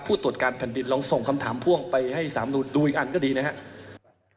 ตรวจการแผ่นดินลองส่งคำถามพ่วงไปให้สามนุนดูอีกอันก็ดีนะครับ